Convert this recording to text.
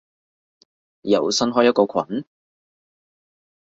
又新開一個群？